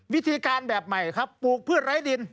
วิธีการแบบใหม่ครับปลูกพืชไร้ดิน